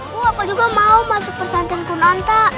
bu aku juga mau masuk pesantren kenanta